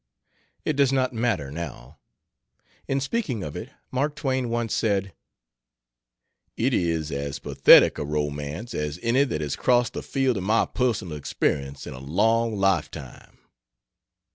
It does not matter, now. In speaking of it, Mark Twain once said: "It is as pathetic a romance as any that has crossed the field of my personal experience in a long lifetime."